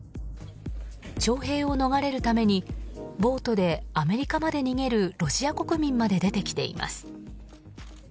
徴兵を逃れるためにボートでアメリカまで逃げるロシア国民まで出てきています。